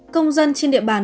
công dân trên địa bàn